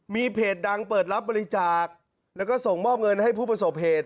มีเพจดังเปิดรับบริจาคแล้วก็ส่งมอบเงินให้ผู้ประสบเหตุ